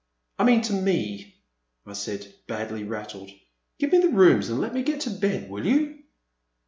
I mean to me," I said, badly rattled ;give me the rooms and let me get to bed, will you